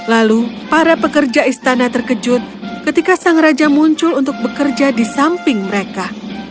lalu para pekerja istana terkejut ketika sang raja muncul untuk bekerja di samping mereka